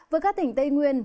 với các tỉnh tây nguyên